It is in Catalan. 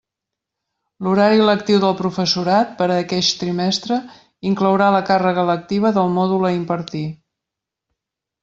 L'horari lectiu del professorat, per a aqueix trimestre, inclourà la càrrega lectiva del mòdul a impartir.